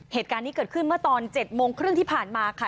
เหตุการณ์นี้เกิดขึ้นเมื่อตอน๗โมงครึ่งที่ผ่านมาค่ะ